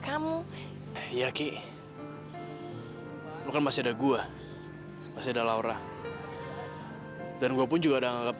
sampai jumpa di video selanjutnya